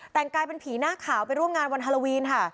แต่งกายเป็นผีหน้าขาวไปร่วมงานวันฮาโลวีนค่ะ